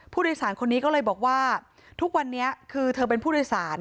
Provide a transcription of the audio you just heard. ผู้โดยสารคนนี้ก็เลยบอกว่าทุกวันนี้คือเธอเป็นผู้โดยสาร